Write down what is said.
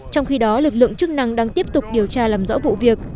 trong khi đó lực lượng chức năng đang tiếp tục điều tra làm rõ vụ việc